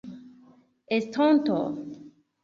estonto